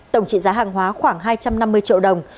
tổng trị giá hàng hóa khoảng hai trăm năm mươi triệu đồng